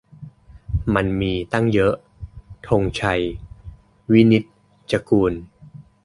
มันมี ตั้งเยอะ - ธงชัย วินิจจะกูล